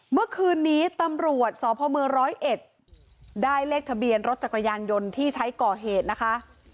เมื่อคืนนี้ตำรวจสพมร้อยเอ็ดได้เลขทะเบียนรถจักรยานยนต์ที่ใช้ก่อเหตุนะคะ